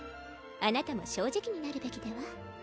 あなたも正直になるべきでは？